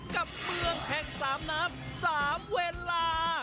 กับเมืองแห่งสามน้ำ๓เวลา